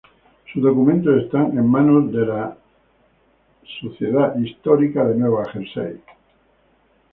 Sus documentos están en manos de la New Jersey Historical Society.